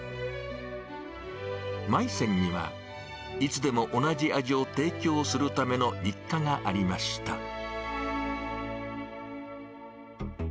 まい泉には、いつでも同じ味を提供するための日課がありました。